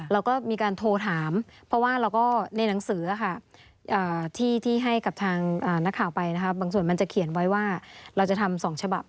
เราก็มีการโทรถามเพราะว่าเราก็ในหนังสือที่ให้กับทางนักข่าวไปนะคะบางส่วนมันจะเขียนไว้ว่าเราจะทำ๒ฉบับ